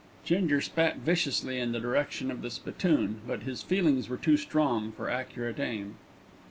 Ginger spat viciously in the direction of the spittoon, but his feelings were too strong for accurate aim.